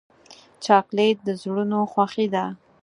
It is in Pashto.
چاکلېټ د زړونو خوښي ده.